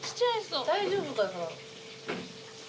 大丈夫かな。